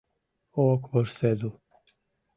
Ок вурседыл.